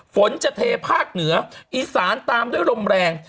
ฝนจะเทภาคเหนืออีสานตามด้วยลมแรง